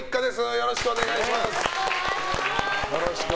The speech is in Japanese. よろしくお願いします。